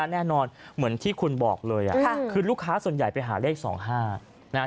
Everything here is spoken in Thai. แน่นอนเหมือนที่คุณบอกเลยคือลูกค้าส่วนใหญ่ไปหาเลข๒๕นะฮะ